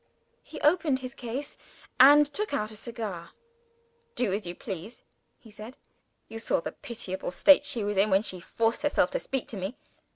He opened his case, and took out a cigar. "Do as you please," he said. "You saw the pitiable state she was in, when she forced herself to speak to me.